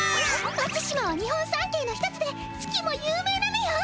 松島は日本三景の一つで月も有名なのよ。